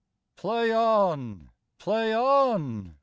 Play on! Play on!